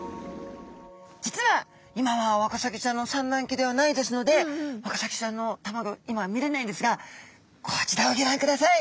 実は今はワカサギちゃんの産卵期ではないですのでワカサギちゃんのたまギョ今見れないんですがこちらをギョ覧ください。